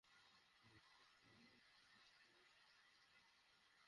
কিংবা সবাই মিলে বৃষ্টি মাথায় নিয়ে বেরিয়ে পড়ি চানখাঁরপুলে খিচুড়ি খাওয়ার জন্য।